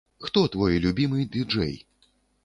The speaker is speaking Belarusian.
Хто твой любімы ды-джэй?